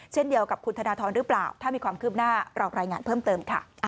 เช่นเดียวกับคุณธนทรหรือเปล่าถ้ามีความคืบหน้าเรารายงานเพิ่มเติมค่ะ